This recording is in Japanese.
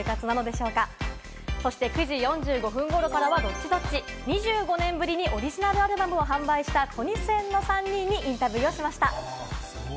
９時４５分頃からはＤｏｔｔｉ‐Ｄｏｔｔｉ、２５年ぶりにオリジナルアルバムを販売したトニセンの３人にインタビューをしました。